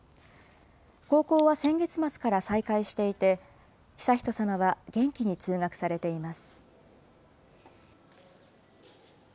高校は先月末から再開していて、悠仁さまは元気に通学されています。